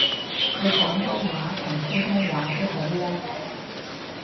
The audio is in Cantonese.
佢廣東話同普通話都好叻